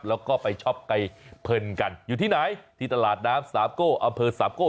แล้วก็ไปช็อปไก่เพลินกันอยู่ที่ไหนที่ตลาดน้ำสามโก้อำเภอสามโก้